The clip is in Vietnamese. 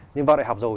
nhưng vào đại học rồi